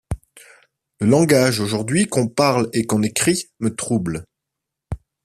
Le langage aujourd’hui qu’on parle et qu’on écrit, me trouble.